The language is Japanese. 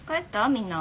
みんな。